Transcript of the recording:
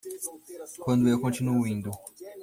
Quando eu continuo indo